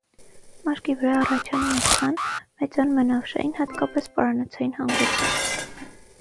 Մաշկի վրա առաջանում է ցան, մեծանում են ավշային, հատկապես պարանոցային, հանգույցները։